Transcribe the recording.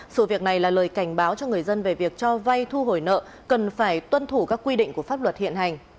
sự việc này là lời cảnh báo cho người dân về việc cho vay thu hồi nợ cần phải tuân thủ các quy định của pháp luật hiện hành